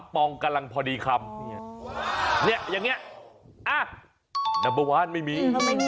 ๓ปองกำลังพอดีคำอย่างนี้นับบะวานไม่มี